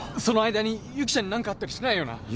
その間に由岐ちゃんに何かあったりしないよな？